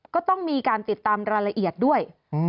ก็ต้องมีการติดตามรายละเอียดด้วย